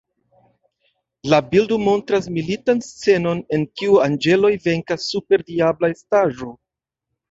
La bildo montras militan scenon en kiu anĝeloj venkas super diabla estaĵo.